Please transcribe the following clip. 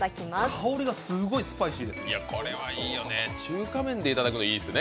香りがすごいスパイシーですね。